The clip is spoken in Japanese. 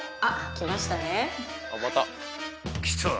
［来た！